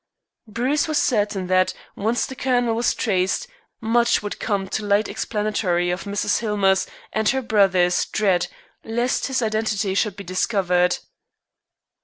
Bruce was certain that, once the "Colonel" was traced, much would come to light explanatory of Mrs. Hillmer's, and her brother's, dread lest his identity should be discovered.